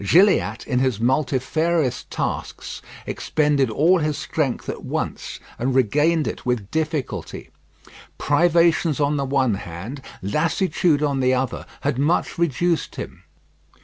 Gilliatt in his multifarious tasks expended all his strength at once, and regained it with difficulty. Privations on the one hand, lassitude on the other, had much reduced him.